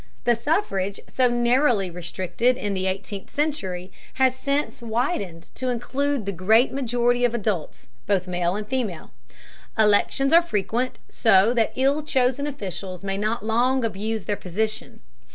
The suffrage, so narrowly restricted in the eighteenth century, has since widened to include the great majority of adults, both male and female. Elections are frequent, so that ill chosen officials may not long abuse their position.